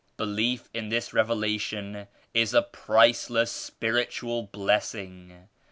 f "Belief in this Revelation is a priceless spirit ual blessing.